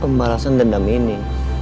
pembalasan dendam ini